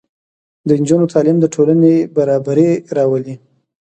د نجونو تعلیم د ټولنې برابري راولي.